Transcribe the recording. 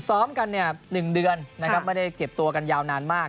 ซ้อมกันเนี่ย๑เดือนนะครับไม่ได้เก็บตัวกันยาวนานมาก